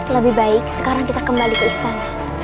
lebih baik sekarang kita kembali ke istana